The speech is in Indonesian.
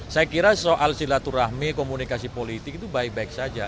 saya kira soal silaturahmi komunikasi politik itu baik baik saja